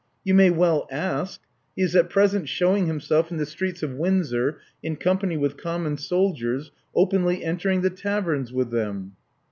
"You may well ask. He is at present shewing him self in the streets of Windsor in company with common soldiers, openly entering the taverns with them."